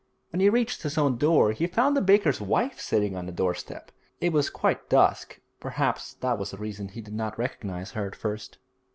When he reached his own door he found the baker's wife sitting on the doorstep. It was quite dusk; perhaps that was the reason he did not recognise her at first.